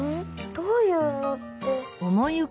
どういうのって。